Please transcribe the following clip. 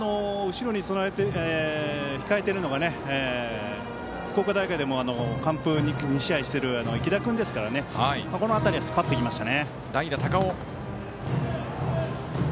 後ろに控えているのが福岡大会でも２試合完封している池田君ですからねこの辺りは、スパッといきましたね。